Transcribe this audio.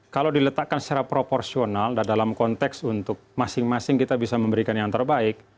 kalau diletakkan secara proporsional dan dalam konteks untuk masing masing kita bisa memberikan yang terbaik